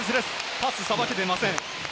パスをさばけていません。